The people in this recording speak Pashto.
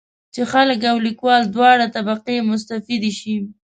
چې خلک او لیکوال دواړه طبقې مستفیدې شي.